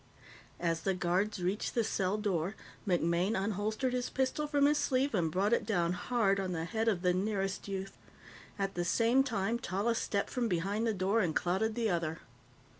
As the guards reached the cell door, MacMaine unholstered his pistol from his sleeve and brought it down hard on the head of the nearest youth. At the same time, Tallis stepped from behind the door and clouted the other.